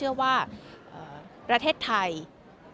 แต่เสียหายไปถึงบุคคลที่ไม่เกี่ยวข้องด้วย